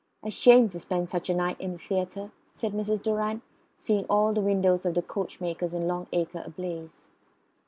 "A shame to spend such a night in the theatre!" said Mrs. Durrant, seeing all the windows of the coachmakers in Long Acre ablaze.